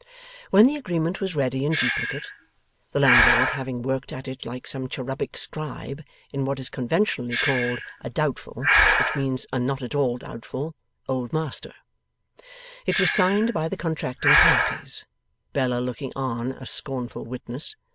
When the agreement was ready in duplicate (the landlord having worked at it like some cherubic scribe, in what is conventionally called a doubtful, which means a not at all doubtful, Old Master), it was signed by the contracting parties, Bella looking on as scornful witness.